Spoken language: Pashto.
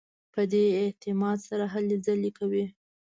په دې اعتماد سره هلې ځلې کوي.